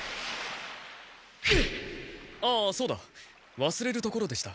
ああそうだわすれるところでした。